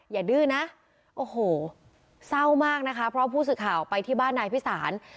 ดื้อนะโอ้โหเศร้ามากนะคะเพราะผู้สื่อข่าวไปที่บ้านนายพิสาร